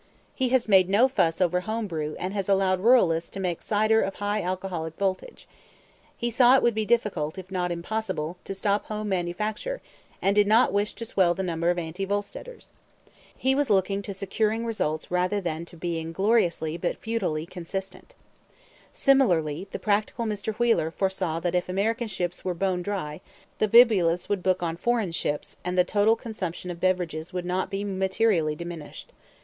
He has made no fuss over home brew and has allowed ruralists to make cider of high alcoholic voltage. He saw it would be difficult, if not impossible, to stop home manufacture and did not wish to swell the number of anti Volsteaders. He was looking to securing results rather than to being gloriously but futilely consistent. Similarly the practical Mr. Wheeler foresaw that if American ships were bone dry the bibulous would book on foreign ships and the total consumption of beverages would not be materially diminished.